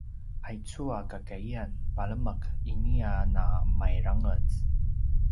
aicu a kakaiyan palemek ini a na mairangez